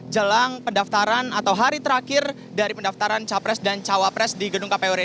jelang pendaftaran atau hari terakhir dari pendaftaran capres dan cawapres di gedung kpu ri